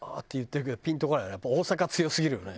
やっぱ大阪強すぎるよね。